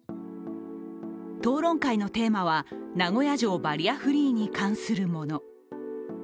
討論会のテーマは、名古屋城バリアフリーに関するもの。